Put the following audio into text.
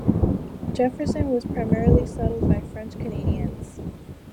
Jefferson was primarily settled by French-Canadians.